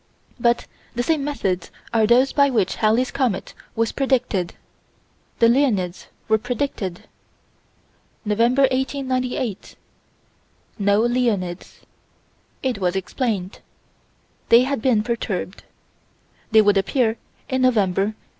By the same methods as those by which Halley's comet was predicted, the Leonids were predicted. November, 1898 no Leonids. It was explained. They had been perturbed. They would appear in November, 1899.